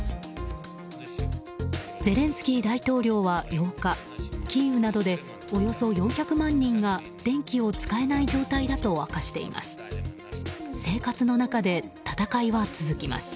ゼレンスキー大統領は８日、キーウなどでおよそ４００万人が電気を使えない状態だと明かしています。